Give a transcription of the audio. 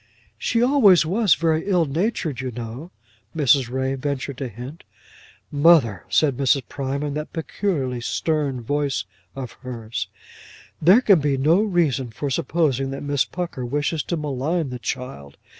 "She always was very ill natured, you know," Mrs. Ray ventured to hint. "Mother!" said Mrs. Prime, in that peculiarly stern voice of hers. "There can be no reason for supposing that Miss Pucker wishes to malign the child.